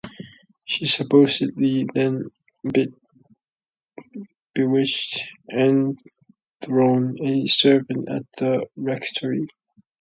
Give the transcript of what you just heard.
She supposedly then bewitched Ann Thorne, a servant at the rectory.